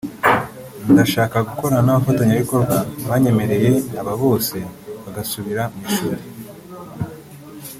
ndashaka gukorana n’abafatanyabikorwa banyemereye abo bose bagasubira mu ishuri